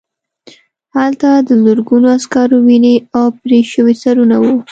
هلته د زرګونو عسکرو وینې او پرې شوي سرونه وو